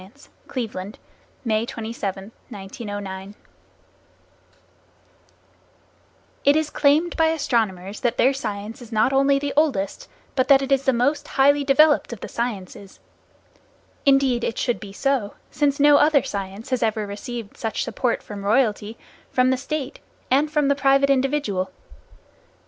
PICKERING HARVARD COLLEGE OBSERVATORY It is claimed by astronomers that their science is not only the oldest, but that it is the most highly developed of the sciences. Indeed it should be so, since no other science has ever received such support from royalty, from the state and from the private individual.